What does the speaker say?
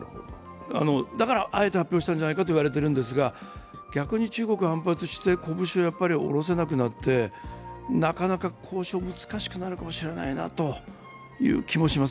だからあえて発表したんじゃないかと言われているんですが逆に中国が反発して拳を下ろせなくなって、なかなか交渉が難しくなるかもしれないなという気もします。